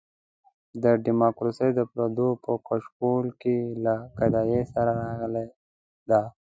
دا ډیموکراسي د پردو په کچکول کې له ګدایۍ سره راغلې ده.